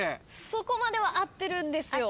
そこまでは合ってるんですよ。